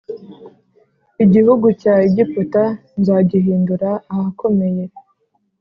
Igihugu cya Egiputa nzagihindura ahakomeye